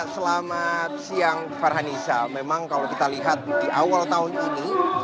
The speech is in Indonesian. selamat siang farhanisa memang kalau kita lihat di awal tahun ini